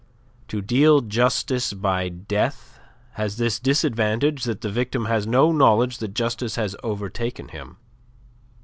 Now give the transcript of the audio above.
To deal justice by death has this disadvantage that the victim has no knowledge that justice has overtaken him.